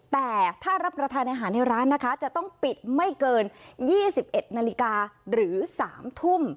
แต่ถ้ารับประทานอาหารในร้านนะคะจะต้องปิดไม่เกิน๒๑นาฬิกาหรือ๓ทุ่ม